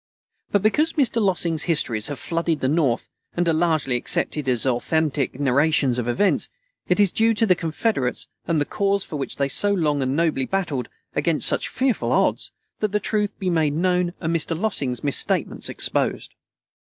But because Mr. Lossing's histories have flooded the North, and are largely accepted as authentic narrations of events, it is due to the Confederates and the cause for which they so long and nobly battled, against such fearful odds, that the truth be made known and Mr. Lossing's misstatements exposed.